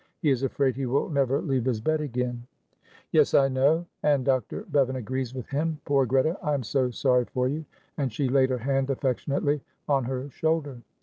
He is afraid he will never leave his bed again." "Yes, I know; and Dr. Bevan agrees with him. Poor Greta, I am so sorry for you," and she laid her hand affectionately on her shoulder.